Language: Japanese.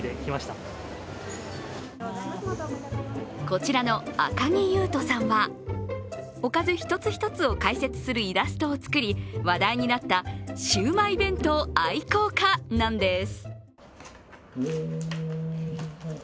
こちらのあかぎゆーとさんはおかず一つ一つを解説するイラストを作り話題になったシウマイ弁当愛好家なんです。